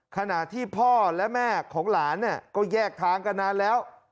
ขณะที่พ่อและแม่ของหลานเนี่ยก็แยกทางกันนานแล้ว